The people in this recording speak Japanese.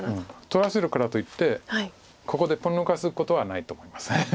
取らせるからといってここでポン抜かすことはないと思います。